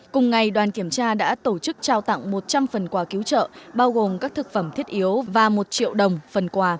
cùng ngày đoàn kiểm tra đã tổ chức trao tặng một trăm linh phần quà cứu trợ bao gồm các thực phẩm thiết yếu và một triệu đồng phần quà